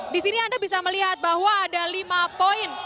di sini anda bisa melihat bahwa ada lima poin